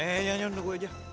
eh jangan jangan itu gue aja